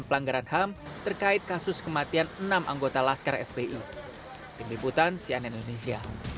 dan pelanggaran ham terkait kasus kematian enam anggota laskar fpi